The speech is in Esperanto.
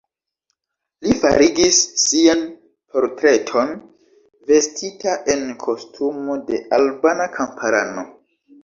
Li farigis sian portreton, vestita en kostumo de albana kamparano.